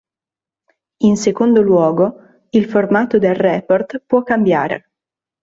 In secondo luogo, il formato del report può cambiare.